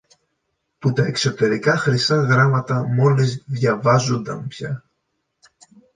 που τα εξωτερικά χρυσά γράμματα μόλις διαβάζουνταν πια.